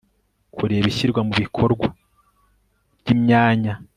kureba ishyirwa mu bikorwa ry imyanya